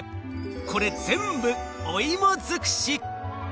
これ全部お芋づくし！